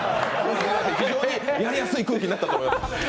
非常にやりやすい空気になったと思います！